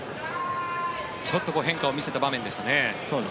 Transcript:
ちょっと変化を見せた場面でしたね。